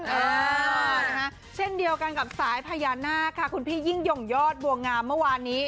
เออนะคะเช่นเดียวกันกับสายพญานาคค่ะคุณพี่ยิ่งยงยอดบัวงามเมื่อวานนี้